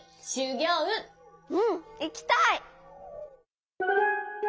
うんいきたい！